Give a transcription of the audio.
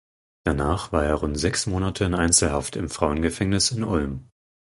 Danach war er rund sechs Monate in Einzelhaft im Frauengefängnis in Ulm.